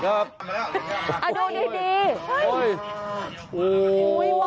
ดูดี